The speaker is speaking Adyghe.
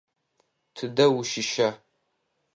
Тыдэ ущыща?